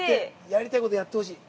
やりたいことやってほしい。